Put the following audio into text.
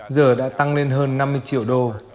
giờ đã tăng lên hơn năm mươi triệu đô